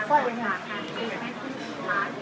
ไหวมาก